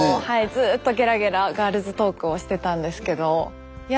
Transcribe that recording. ずっとゲラゲラガールズトークをしてたんですけどいや